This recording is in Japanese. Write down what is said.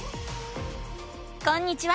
こんにちは！